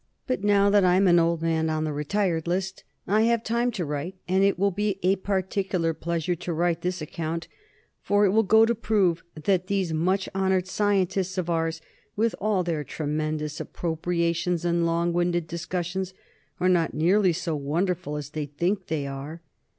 But now that I am an old man, on the retired list, I have time to write; and it will be a particular pleasure to write this account, for it will go to prove that these much honored scientists of ours, with all their tremendous appropriations and long winded discussions, are not nearly so wonderful as they think they are.